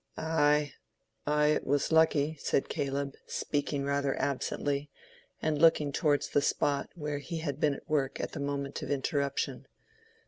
"Ay, ay, it was lucky," said Caleb, speaking rather absently, and looking towards the spot where he had been at work at the moment of interruption.